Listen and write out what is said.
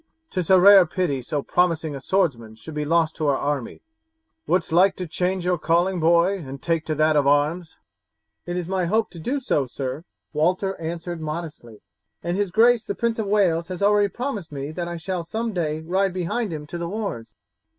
'Tis a rare pity so promising a swordsman should be lost to our army. Wouldst like to change your calling, boy, and take to that of arms?" "It is my hope to do so, sir," Walter answered modestly, "and his grace the Prince of Wales has already promised me that I shall some day ride behind him to the wars."